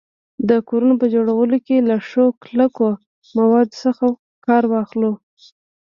د کورونو په جوړولو کي له ښو کلکو موادو کار واخلو